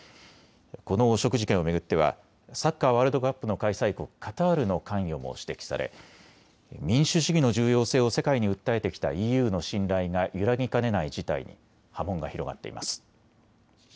この汚職事件を巡ってはサッカーワールドカップの開催国カタールの関与も指摘され民主主義の重要性を世界に訴えてきたＥＵの信頼が揺らぎかねない事態に波紋が広がっています。